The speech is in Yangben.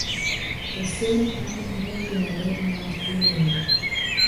Ɛsien ana ŋúm minanɛ ŋánd ki ŋilí.